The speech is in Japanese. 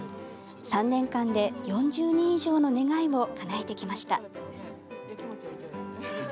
３年間で４０人以上の願いをかなえてきました。